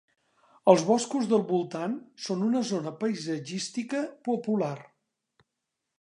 Els boscos del voltant són una zona paisatgística popular.